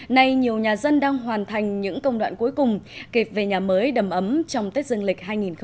nay nhiều nhà dân đang hoàn thành những công đoạn cuối cùng kịp về nhà mới đầm ấm trong tết dương lịch hai nghìn hai mươi